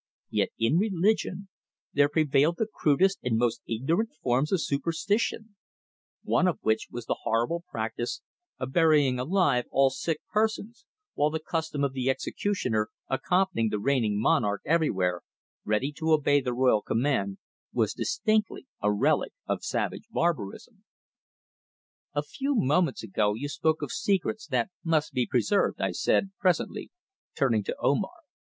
Yet in religion there prevailed the crudest and most ignorant forms of superstition, one of which was the horrible practice of burying alive all sick persons, while the custom of the executioner accompanying the reigning monarch everywhere, ready to obey the royal command, was distinctly a relic of savage barbarism. "A few moments ago you spoke of secrets that must be preserved," I said presently, turning to Omar.